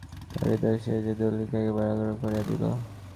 তাহার হৃদয় যে সে দলিলকে একেবারে অগ্রাহ্য করিয়া দিল।